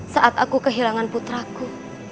saat aku kehilangan putraku